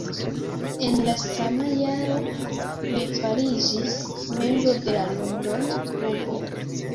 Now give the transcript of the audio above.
En la sama jaro li fariĝis membro de la londona klubo.